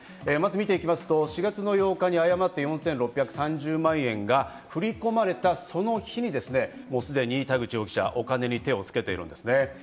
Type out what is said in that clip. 見てきますと、４月８日に誤って４６３０万円が振り込まれたその日に、すでに田口容疑者、お金に手をつけているんですね。